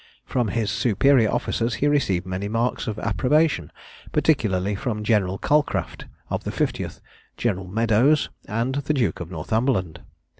From his superior officers he received many marks of approbation, particularly from General Calcraft, of the 50th, General Meadows, and the Duke of Northumberland.